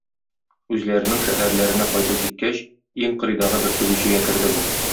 Үзләренең шәһәрләренә кайтып җиткәч, иң кырыйдагы бер тегүчегә керде бу.